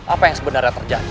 apa yang sebenarnya terjadi